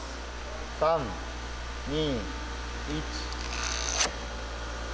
３２１。